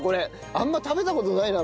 あんま食べた事ないな